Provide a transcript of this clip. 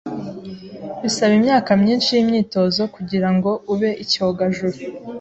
Bisaba imyaka myinshi yimyitozo kugirango ube icyogajuru.